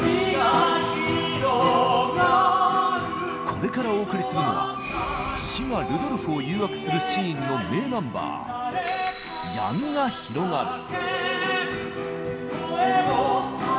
これからお送りするのは「死」がルドルフを誘惑するシーンの名ナンバー「闇が広がる」。